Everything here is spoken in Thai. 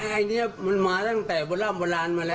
ไอ้เนี่ยมันมาตั้งแต่บทรัพย์โบราณมาแล้ว